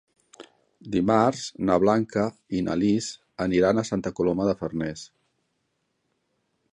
Dimarts na Blanca i na Lis aniran a Santa Coloma de Farners.